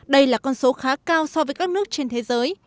đây là con số khá cao so với các nước trên thế giới